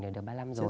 để được ba năm rồi